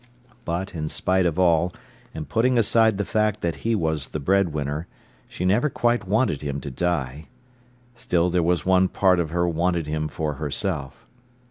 But, in spite of all, and putting aside the fact that he was breadwinner, she never quite wanted him to die. Still there was one part of her wanted him for herself.